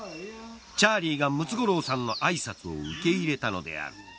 チャーリーがムツゴロウさんの挨拶を受け入れたのである。